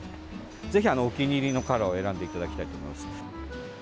ぜひ、お気に入りのカラーを選んでいただきたいと思います。